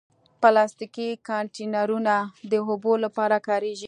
پلاستيکي کانټینرونه د اوبو لپاره کارېږي.